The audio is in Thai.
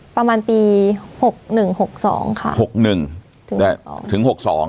ประมาณปีหกหนึ่งหกสองค่ะหกหนึ่งถึงหกสอง